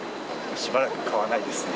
しばらく買わないですね。